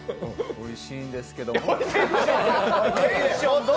おいしいんですけども。